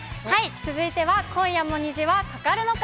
続いては今夜も虹はかかるのか。